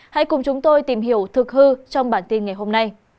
hãy cùng chúng tôi tìm hiểu thực hư trong bản tin ngày hôm nay